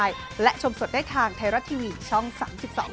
ครับไม่ต้องตั้งใจฟังมีผลงานนะ